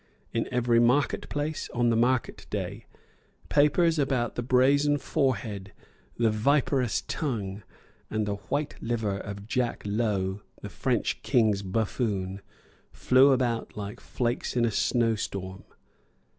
In every market place, on the market day, papers about the brazen forehead, the viperous tongue, and the white liver of Jack Howe, the French King's buffoon, flew about like flakes in a snow storm.